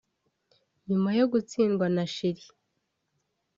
nyuma yo gutsindwa na Chili